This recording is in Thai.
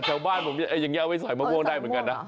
แถวบ้านผมอย่างนี้เอาไว้ใส่มะม่วงได้เหมือนกันนะ